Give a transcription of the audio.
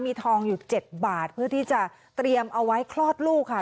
มีทองอยู่๗บาทเพื่อที่จะเตรียมเอาไว้คลอดลูกค่ะ